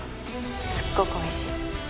すっごくおいしい。